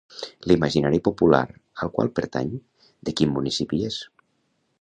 L'imaginari popular al qual pertany, de quin municipi és?